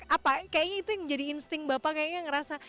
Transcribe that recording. apa kayaknya itu yang jadi insting bapak kayaknya ngerasa